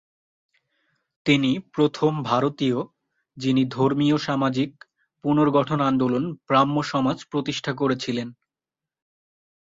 তিনি প্রথম ভারতীয় যিনি ধর্মীয়-সামাজিক পুনর্গঠন আন্দোলন ব্রাহ্মসমাজ প্রতিষ্ঠা করেছিলেন।